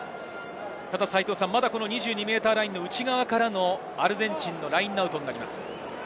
まだ２２ｍラインの内側からのアルゼンチンのラインアウトになります。